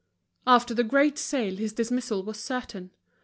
After the great sale his dismissal was certain.